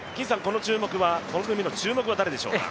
この組の注目は誰でしょうか？